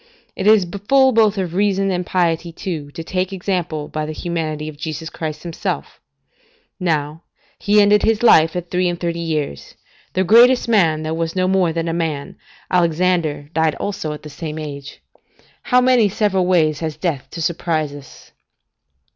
It is full both of reason and piety, too, to take example by the humanity of Jesus Christ Himself; now, He ended His life at three and thirty years. The greatest man, that was no more than a man, Alexander, died also at the same age. How many several ways has death to surprise us?